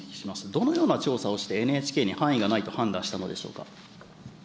どのような調査をして、ＮＨＫに犯意が判断したのでしょうか。